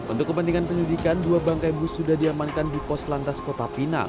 untuk kepentingan penyidikan dua bangkai bus sudah diamankan di pos lantas kota pinang